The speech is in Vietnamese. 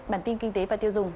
bản tin kinh tế và tiêu dùng